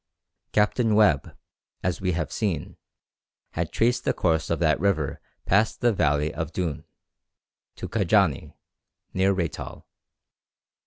Captain Webb, as we have seen, had traced the course of that river past the valley of Dhoun, to Cadjani, near Reital.